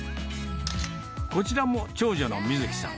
こちらも長女の瑞紀さん。